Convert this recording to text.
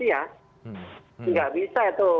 tidak bisa itu